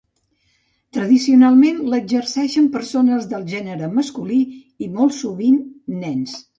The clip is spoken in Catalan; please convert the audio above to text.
Tradicionalment l'exerceixen persones del gènere masculí i molt sovint nens.